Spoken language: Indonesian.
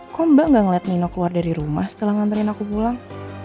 kok mbak gak ngeliat nino keluar dari rumah setelah nganterin aku pulang